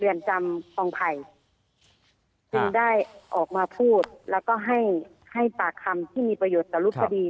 จำคลองไผ่จึงได้ออกมาพูดแล้วก็ให้ให้ปากคำที่มีประโยชน์ต่อรูปคดี